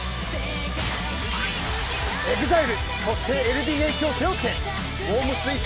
ＥＸＩＬＥそしてＬＤＨを背負ってモー娘。